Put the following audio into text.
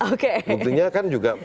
oke mungkin kan juga